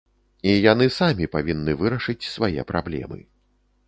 І яны самі павінны вырашыць свае праблемы.